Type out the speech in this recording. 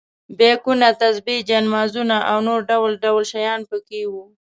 بیکونه، تسبیح، جاینمازونه او نور ډول ډول شیان په کې وو.